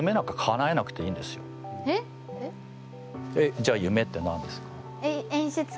じゃあ夢って何ですか？